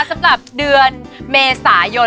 สำหรับเดือนเมษายน